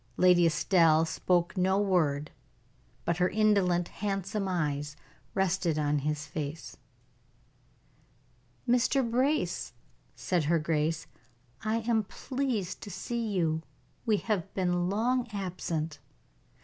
Lady Estelle spoke no word, but her indolent, handsome eyes, rested on his face. "Mr. Brace," said her grace, "I am pleased to see you. We have been long absent."